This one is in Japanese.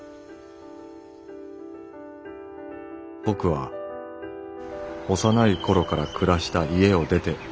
「僕は幼い頃から暮らした家を出て」。